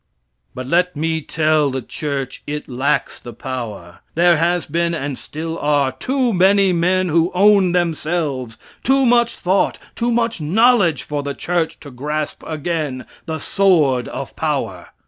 But let me tell the church it lacks the power. There has been, and still are, too many men who own themselves too much thought, too much knowledge for the church to grasp again the sword of power.